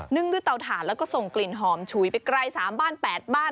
ึงด้วยเตาถ่านแล้วก็ส่งกลิ่นหอมฉุยไปไกล๓บ้าน๘บ้าน